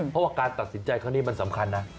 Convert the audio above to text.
เพราะว่าการตัดสินใจครั้งนี้มันสำคัญนะ